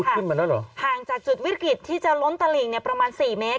ขึ้นมาแล้วเหรอห่างจากจุดวิกฤตที่จะล้นตลิ่งเนี่ยประมาณสี่เมตร